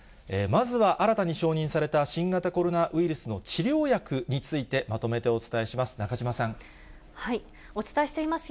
まずは新たに承認された新型コロナウイルスの治療薬についてまとめてお伝えします。